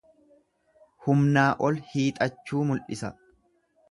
Humnaa ol hiixachuu mul'isa.